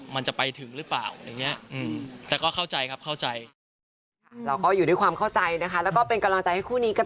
มันจะไปถึงหรือเปล่า